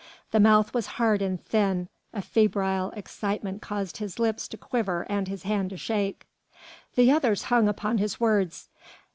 The mouth was hard and thin, and a febrile excitement caused his lips to quiver and his hand to shake. The others hung upon his words.